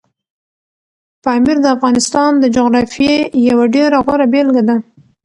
پامیر د افغانستان د جغرافیې یوه ډېره غوره بېلګه ده.